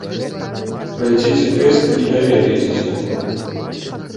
Прайдзіце тэст і даведайцеся!